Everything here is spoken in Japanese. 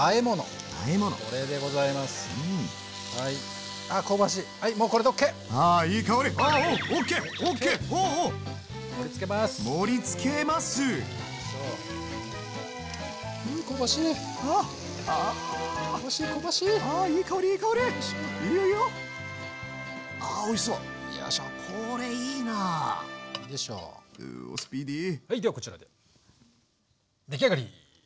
はいではこちらで出来上がり！